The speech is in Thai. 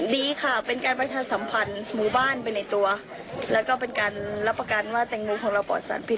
ดีค่ะเป็นการประชาสัมพันธ์หมู่บ้านไปในตัวแล้วก็เป็นการรับประกันว่าแตงโมของเราปลอดสารพิษ